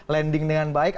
landing dengan baik